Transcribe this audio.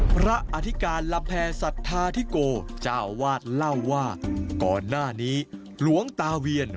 อธิการลำแพรสัทธาธิโกเจ้าวาดเล่าว่าก่อนหน้านี้หลวงตาเวียน